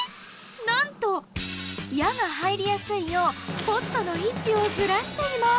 なんと矢がはいりやすいようポットの位置をずらしています！